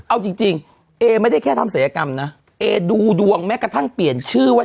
เอาจริงเอไม่ได้แค่ทำศัยกรรมนะเอดูดวงแม้กระทั่งเปลี่ยนชื่อว่า